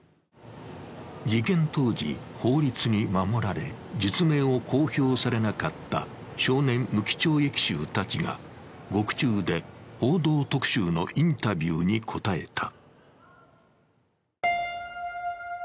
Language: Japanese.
事件当時、法律に守られ実名を公表されなかった少年無期懲役囚たちが獄中で「報道特集」のインタビューに答えた。